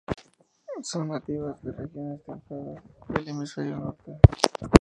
Son nativas de regiones templadas del Hemisferio Norte.